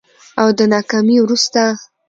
او د ناکامي وروسته